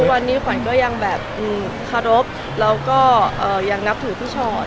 วันนี้ขวัญก็ยังแบบเคารพแล้วก็ยังนับถือพี่ชอต